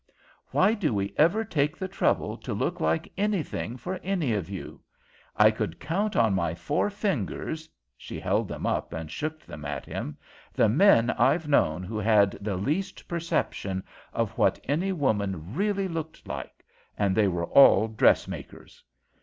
Why do we ever take the trouble to look like anything for any of you? I could count on my four fingers" she held them up and shook them at him "the men I've known who had the least perception of what any woman really looked like, and they were all dressmakers.